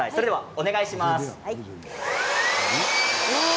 お願いします。